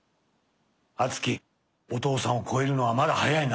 敦貴お父さんを超えるのはまだ早いな。